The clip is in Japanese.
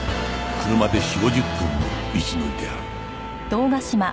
車で４０５０分の道のりである